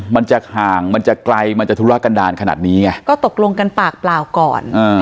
มันจะห่างมันจะไกลมันจะธุระกันดาลขนาดนี้ไงก็ตกลงกันปากเปล่าก่อนอ่า